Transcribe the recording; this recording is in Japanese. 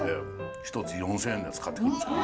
１つ４，０００円のやつ買ってくるんですけど。